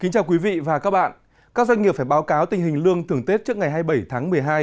các doanh nghiệp phải báo cáo tình hình lương thường tết trước ngày hai mươi bảy tháng một mươi hai